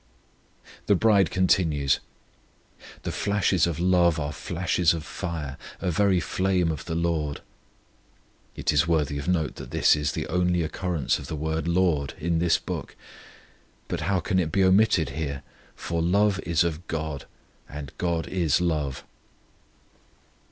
The bride continues: "The flashes of love are flashes of fire, a very flame of the LORD." It is worthy of note that this is the only occurrence of this word "LORD" in this book. But how could it be omitted here? For love is of GOD, and GOD is love.